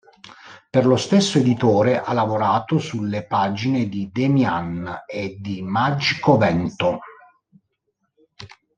Per lo stesso editore ha lavorato sulle pagine di Demian e di Magico Vento.